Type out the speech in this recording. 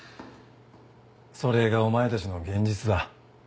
それがお前たちの現実だ。